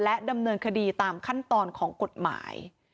ดำเนินคดีตามขั้นตอนของกฎหมาย